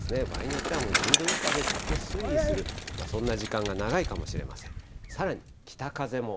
場合によってはもう１０度以下でずっと推移する、そんな時間が長いかもしれません。